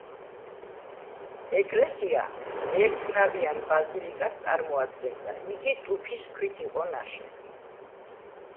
ეკლესია ერთნავიან ბაზილიკას წარმოადგენდა, იგი ტუფის ქვით იყო ნაშენი.